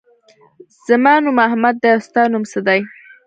زما نوم احمد دی. او ستا نوم څه دی؟